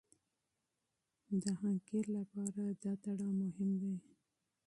د حنکير لپاره دا تړاو مهم دی.